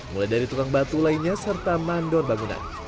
mulai dari tukang batu lainnya serta mandor bangunan